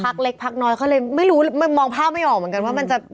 เล็กพักน้อยเขาเลยไม่รู้มองภาพไม่ออกเหมือนกันว่ามันจะ